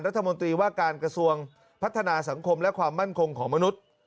รัฐมนตรีว่าการกระทรวงพัฒนาสังคมและความมั่นคงของมนุษย์